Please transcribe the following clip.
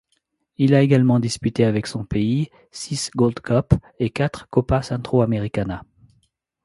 Il a également disputé avec son pays six Gold Cup et quatre Copa Centroamericana.